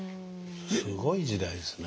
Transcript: すごい時代ですね。